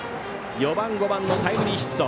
４番、５番のタイムリーヒット。